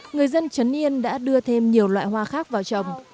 người dân trấn yên đã đưa thêm nhiều loại hoa khác vào trồng